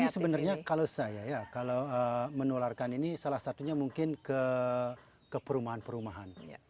ini sebenarnya kalau saya ya kalau menularkan ini salah satunya mungkin ke perumahan perumahan